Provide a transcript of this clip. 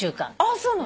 そうなの？